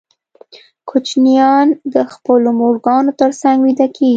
کوچنیان د خپلو مورګانو تر څنګ ویده کېږي.